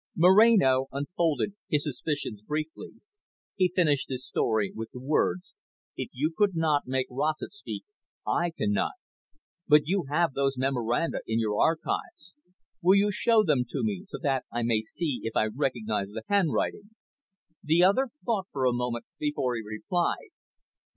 Moreno unfolded his suspicions briefly. He finished his story with the words, "If you could not make Rossett speak, I cannot. But you have those memoranda in your archives. Will you show them to me so that I may see if I recognise the handwriting." The other thought for a moment before he replied.